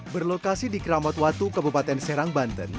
berlokasi di keramat watu kabupaten serang banten